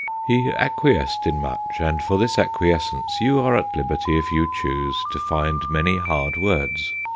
He acquiesced in much, and for this acquiescence you are at liberty, if you choose, to find many hard words.